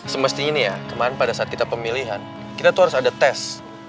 semestinya ini ya kemarin pada saat kita pemilihan kita tuh harus ada tes